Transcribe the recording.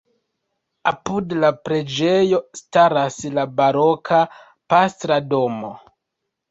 Apud la preĝejo staras la baroka pastra domo.